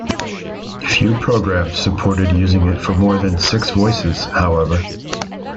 Few programs supported using it for more than six voices, however.